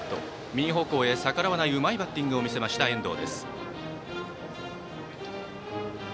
右方向へ逆らわないうまいバッティングだった遠藤。